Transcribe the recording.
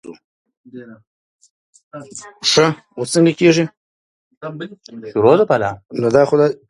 موږ باید د تاریخ په وړاندې رښتیني واوسو.